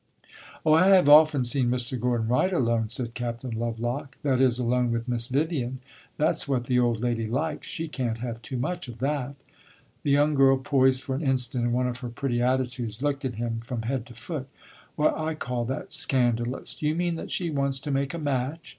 "Oh, I have often seen Mr. Gordon Wright alone," said Captain Lovelock "that is, alone with Miss Vivian. That 's what the old lady likes; she can't have too much of that." The young girl, poised for an instant in one of her pretty attitudes, looked at him from head to foot. "Well, I call that scandalous! Do you mean that she wants to make a match?"